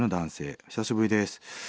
「久しぶりです。